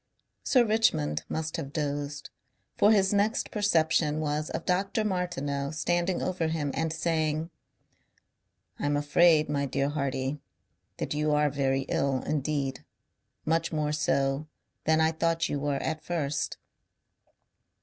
Sir Richmond must have dozed, for his next perception was of Dr. Martineau standing over him and saying "I am afraid, my dear Hardy, that you are very ill indeed. Much more so than I thought you were at first."